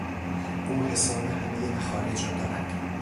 او حساب همهی مخارج را دارد.